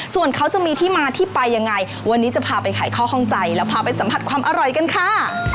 ส่วนเขาจะมีที่มาที่ไปยังไงวันนี้จะพาไปขายข้อข้องใจแล้วพาไปสัมผัสความอร่อยกันค่ะ